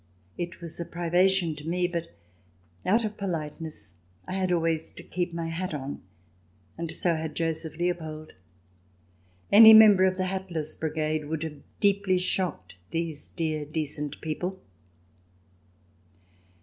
It was a privation to me, but out of polite ness I had always to keep my hat on and so had Joseph Leopold. Any member of the hatless brigade would have deeply shocked these dear decent people.